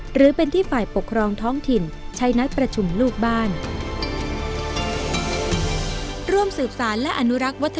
หรือเป็นที่ฝ่ายปกครองท้องถิ่นใช้นัดประชุมลูกบ้าน